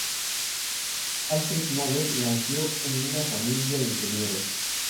Alfred Nobel nació en una familia de ingenieros.